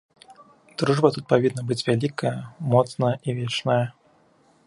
Дружба тут павінна быць вялікая, моцная і вечная.